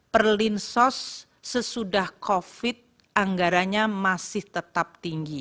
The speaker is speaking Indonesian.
perlinsos sesudah covid anggarannya masih tetap tinggi